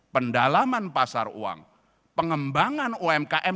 pendalaman pasar uang pengembangan umkm